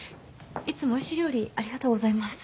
いつもおいしい料理ありがとうございます。